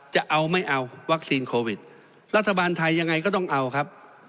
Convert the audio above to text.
จะเอาไม่เอาวัคซีนโควิดรัฐบาลไทยยังไงก็ต้องเอาครับ